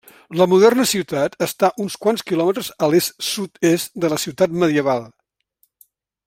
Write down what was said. La moderna ciutat està uns quants quilòmetres a l'est-sud-est de la ciutat medieval.